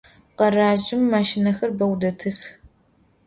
Garajjım maşşinexer beu detıx.